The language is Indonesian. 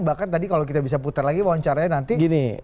bahkan tadi kalau kita bisa putar lagi wawancaranya nanti